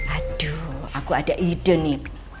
aduh aku ada ide nih